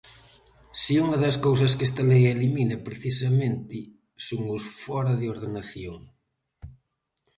Se unha das cousas que esta lei elimina, precisamente, son os fóra de ordenación.